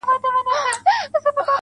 ما له یوې هم یوه ښه خاطره و نه لیده